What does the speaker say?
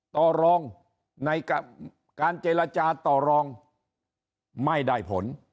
ต่อรองในการเจรจาต่อรองไม่ได้ผล